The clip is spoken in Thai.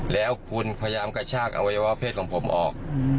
แล้วคุณพยายามกระชากอวัยวะเพศของผมออก